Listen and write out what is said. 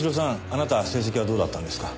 あなた成績はどうだったんですか？